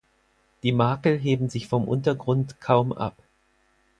Die Makel heben sich vom Untergrund kaum ab.